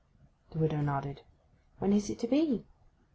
The widow nodded. 'When is it to be?